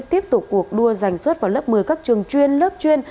tiếp tục cuộc đua giành xuất vào lớp một mươi các trường chuyên lớp chuyên